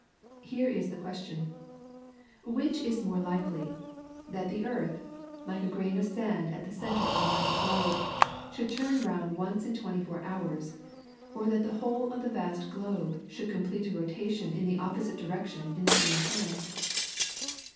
Here is the question: Which is it more likely that the earth, like a grain of sand at the centre of a mighty globe, should turn round once in twenty four hours, or that the whole of that vast globe should complete a rotation in the opposite direction in the same time?